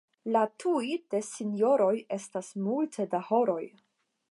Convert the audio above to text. La "tuj" de sinjoroj estas multe da horoj.